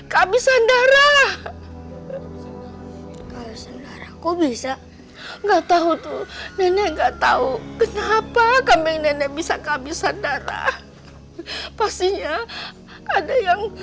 kata rafa teror pampir itu bener ada